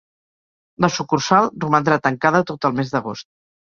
La sucursal romandrà tancada tot el mes d'agost.